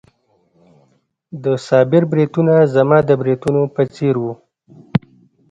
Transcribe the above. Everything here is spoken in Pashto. د صابر بریتونه زما د بریتونو په څېر وو.